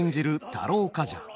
太郎冠者。